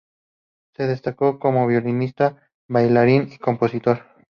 Se destacó como violinista, bailarín y compositor.